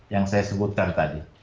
yang saya sebutkan tadi